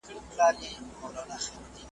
د هغه پر کار نیوکې کوي